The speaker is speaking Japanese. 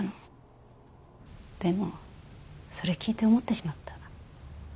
でもそれ聞いて思ってしまった。